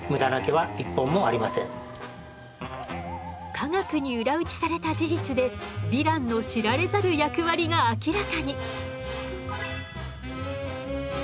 科学に裏打ちされた事実でヴィランの知られざる役割が明らかに。